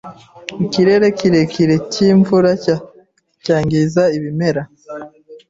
Ikirere kirekire cyimvura cyangiza ibimera.